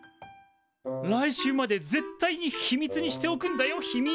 来週まで絶対に秘密にしておくんだよひみぃ。